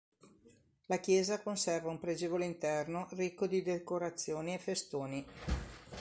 La chiesa conserva un pregevole interno ricco di decorazioni e festoni.